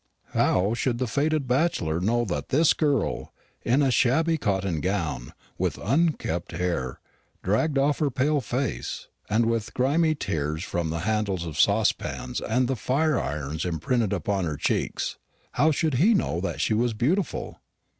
How should the faded bachelor know that this girl, in a shabby cotton gown, with unkempt hair dragged off her pale face, and with grimy smears from the handles of saucepans and fire irons imprinted upon her cheeks how should he know that she was beautiful?